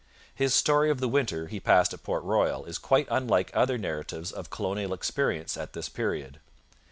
His story of the winter he passed at Port Royal is quite unlike other narratives of colonial experience at this period.